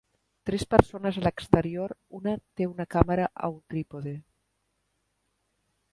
Tres persones a l'exterior, una té una càmera a un trípode.